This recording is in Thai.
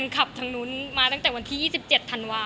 คิดเหมือนกันเลยว่า